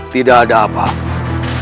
tidak ada apa apa